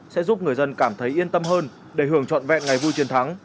sẽ giúp người dân cảm thấy yên tâm hơn để hưởng trọn vẹn ngày vui chiến thắng